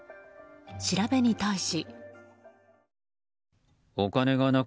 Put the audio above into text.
調べに対し。